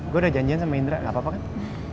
gue udah janjian sama indra gak apa apa kan